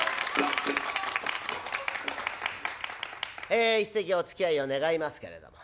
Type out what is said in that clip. え一席おつきあいを願いますけれども。